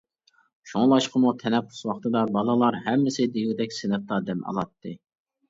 شۇڭلاشقىمۇ، تەنەپپۇس ۋاقتىدا بالىلار ھەممىسى دېگۈدەك سىنىپتا دەم ئالاتتى.